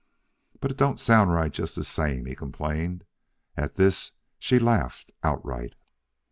"But it don't sound right, just the same," he complained. At this she laughed outright.